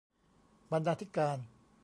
บรรณาธิการ